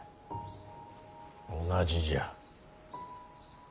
同じじゃ。